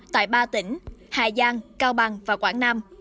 tại ba tỉnh hà giang cao bằng và quảng nam